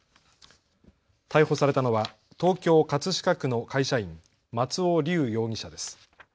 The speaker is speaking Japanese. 逮捕されたのは東京葛飾区の会社員、松尾龍容疑者です。